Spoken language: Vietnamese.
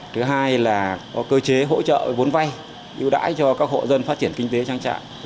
thứ hai là có cơ chế hỗ trợ vốn vay ưu đãi cho các hộ dân phát triển kinh tế trang trại